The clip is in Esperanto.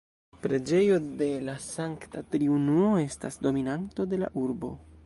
Preĝejo de la Sankta Triunuo estas dominanto de la urbo.